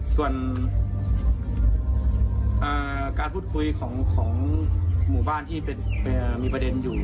ส่วนการพูดคุยของหมู่บ้านที่มีประเด็นอยู่